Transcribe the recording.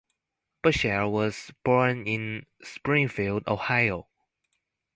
Bushell was born in Springfield, Ohio.